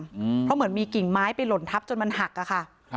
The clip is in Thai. เพราะเหมือนมีกิ่งไม้ไปหล่นทับจนมันหัก